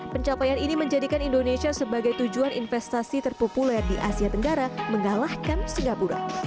pencapaian ini menjadikan indonesia sebagai tujuan investasi terpopuler di asia tenggara mengalahkan singapura